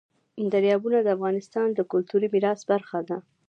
دریابونه د افغانستان د کلتوري میراث برخه ده.